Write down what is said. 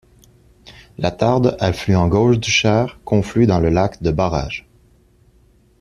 La Tardes, affluent gauche du Cher, conflue dans le lac de barrage.